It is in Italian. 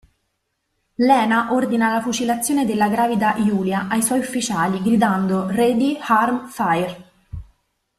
Lena ordina la fucilazione della gravida Julia ai suoi ufficiali, gridando "Ready, Arm, Fire!